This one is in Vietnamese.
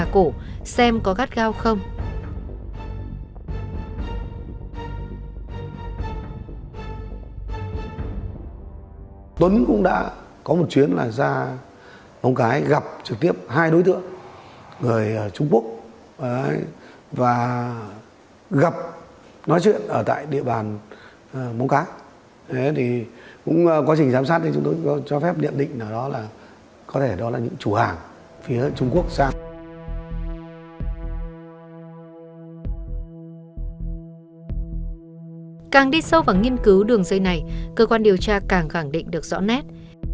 càng đi sâu vào nghiên cứu đường dây này cơ quan điều tra càng khẳng định được rõ nét